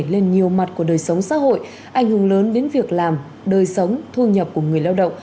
lên nhiều mặt của đời sống xã hội ảnh hưởng lớn đến việc làm đời sống thu nhập của người lao động